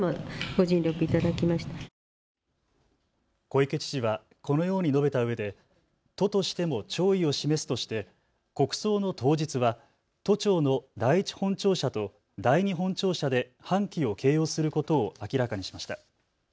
小池知事はこのように述べたうえで都としても弔意を示すとして国葬の当日は都庁の第一本庁舎と第二本庁舎で半旗を掲揚することを明らかにしました。